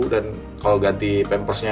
dan kalau ganti pampersnya